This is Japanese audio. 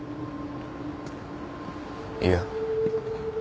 いや。